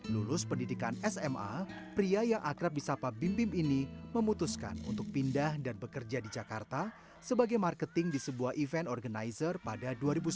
lulus pendidikan sma pria yang akrab di sapa bim bim ini memutuskan untuk pindah dan bekerja di jakarta sebagai marketing di sebuah event organizer pada dua ribu sembilan belas